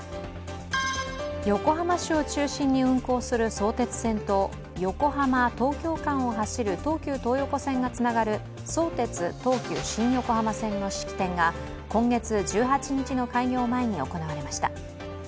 横浜市を中心に運行する相鉄線と横浜−東京間を走る東急東横線がつながる相鉄・東急新横浜線の式典が今月１８日の開業前に行われました。